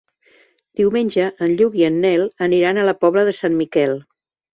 Diumenge en Lluc i en Nel aniran a la Pobla de Sant Miquel.